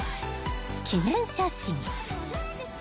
［記念写真］